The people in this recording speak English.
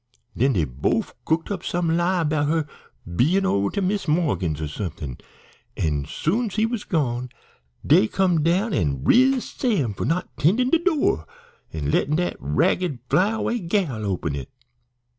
"Den dey bofe cooked up some lie' bout her bein' over to Mis' Morgan's or somethin', an' as soon 's he was gone dey come down an' riz Sam for not 'tendin' de door an' lettin' dat ragged fly away gal open it.